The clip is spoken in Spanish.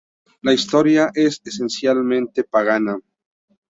La historia es esencialmente pagana.